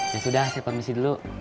ya sudah saya permisi dulu